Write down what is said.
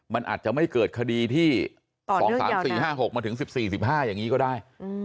มันอาจจะไม่เกิดคดีที่๒๓๔๕๖มาถึง๑๔๑๕อย่างนี้ก็ได้